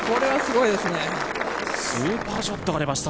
スーパーショットが出ました。